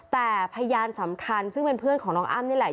แต่พยานสำคัญซึ่งเป็นเพื่อนของน้องอ้ำนี่แหละ